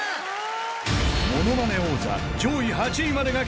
［『ものまね王座』］